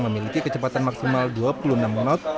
memiliki kecepatan maksimal dua puluh enam knot